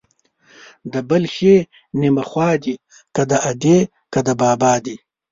د بل ښې نيمه خوا دي ، که د ادې که د بابا دي.